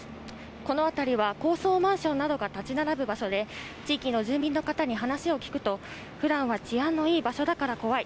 この辺りは高層マンションなどが建ち並ぶ場所で、地域の住民の方に話を聞くと、ふだんは治安のいい場所だから怖い。